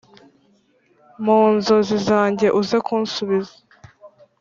Munzozi zanjye uze kunsubiza